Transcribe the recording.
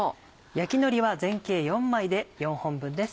焼きのりは全形４枚で４本分です。